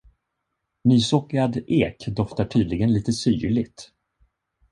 Nysågad ek doftar tydligen lite syrligt.